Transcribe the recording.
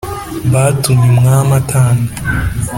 batumye umwami atanga.